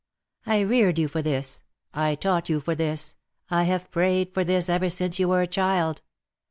I reared you for this, I taught you for this, I have prayed for this ever since you were a child.